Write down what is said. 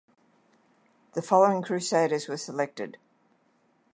The following Crusaders were selected.